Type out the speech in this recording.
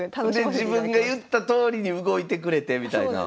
で自分が言ったとおりに動いてくれてみたいな。